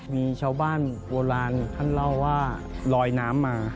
มีชาวบ้านโบราณท่านเล่าว่าลอยน้ำมา